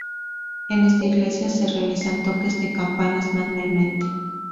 En esta iglesia se realizan toques de campanas manualmente.